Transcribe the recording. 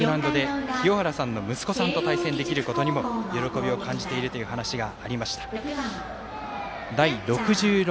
同じ日に、同じグラウンドで清原さんの息子さんと対戦することができる喜びを感じているという話がありました。